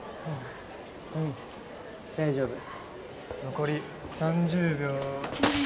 ううん大丈夫残り３０秒２０秒！